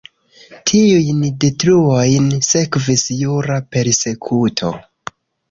Tiujn detruojn sekvis jura persekuto.